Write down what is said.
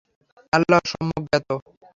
আল্লাহ সম্যক জ্ঞাত।